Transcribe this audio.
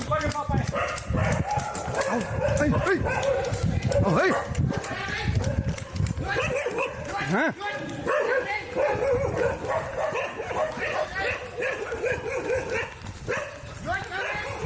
โอ้โฮเฮ้ยโอ้โฮเฮ้ยค่ะ